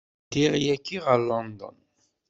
Ddiɣ yagi ɣer London.